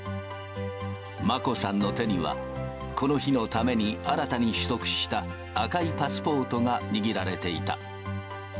眞子さんの手には、この日のために新たに取得した赤いパスポートが握られていた。